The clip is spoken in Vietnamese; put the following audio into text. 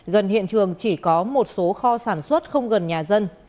gần hiện trường chỉ có một số kho sản xuất không gần nhà dân